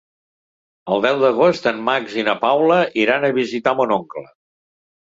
El deu d'agost en Max i na Paula iran a visitar mon oncle.